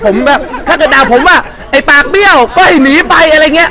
ผมแบบถ้าเกิดด่าผมว่าไอ้ปากเบี้ยวก็ไอ้หนีไปอะไรอย่างเงี้